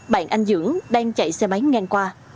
bạn anh dưỡng đang chạy xe máy ngang qua